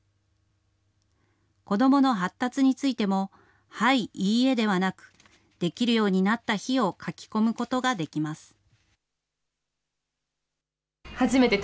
子どもの発達についても、はい、いいえではなく、できるようになった日を書き込むことができます。